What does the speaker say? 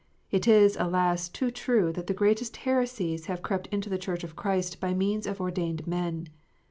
It is, alas, too true, that the greatest heresies have crept into the Church of Christ by means of ordained men.